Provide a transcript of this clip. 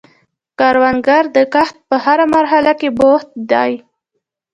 کروندګر د کښت په هره مرحله کې بوخت دی